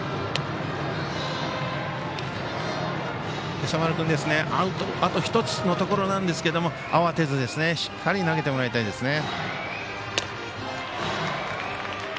今朝丸君、アウトあと１つのところなんですが慌てずしっかり投げてもらいたいですね。